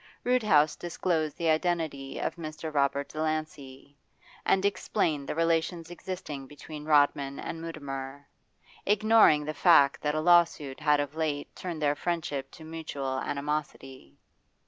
Roodhouse disclosed the identity of Mr. Robert Delancey, and explained the relations existing between Rodman and Mutimer, ignoring the fact that a lawsuit had of late turned their friendship to mutual animosity.